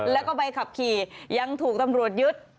แล้วก็ใบขับขี่ยังถูกตำรวจยึด